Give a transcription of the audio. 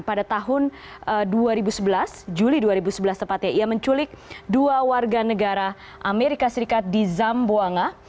pada tahun dua ribu sebelas juli dua ribu sebelas tepatnya ia menculik dua warga negara amerika serikat di zamboanga